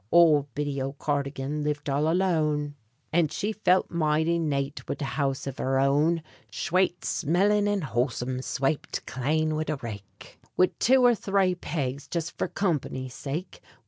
Ould Biddy O'Cardigan lived all alone, And she felt mighty nate wid a house av her own Shwate smellin' and houlsome, swaped clane wid a rake, Wid two or thray pigs jist for company's sake.